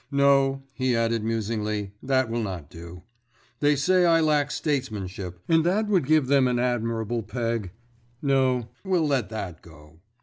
No," he added musingly, "that will not do. They say I lack statesmanship, and that would give them an admirable peg. No, we'll let that go."